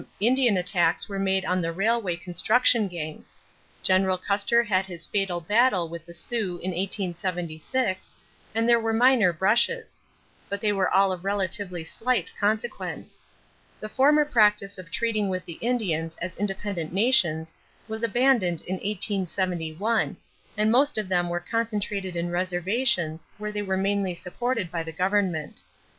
Indian attacks were made on the railway construction gangs; General Custer had his fatal battle with the Sioux in 1876 and there were minor brushes; but they were all of relatively slight consequence. The former practice of treating with the Indians as independent nations was abandoned in 1871 and most of them were concentrated in reservations where they were mainly supported by the government.